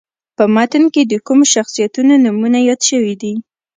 په متن کې د کومو شخصیتونو نومونه یاد شوي دي.